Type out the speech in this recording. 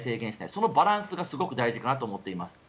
そのバランスがすごく大事かなと思っています。